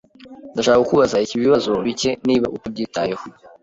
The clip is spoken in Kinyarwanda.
Ndashaka kukubaza ibibazo bike niba utabyitayeho.